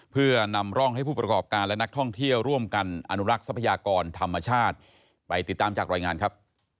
เพื่อนำร่องให้ผู้ประกอบการและนักท่องเที่ยวร่วมกันอนุรักษ์ทรัพยากรธรรมชาติไปติดตามจากรายงานครับ